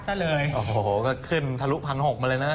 ซะเลยโอ้โหก็ขึ้นทะลุพันหกมาเลยนะ